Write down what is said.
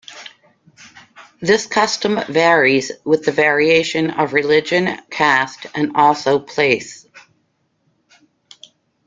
This custom varies with the variation of religion, caste and also place.